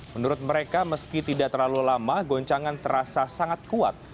menurut mereka meski tidak terlalu lama goncangan terasa sangat kuat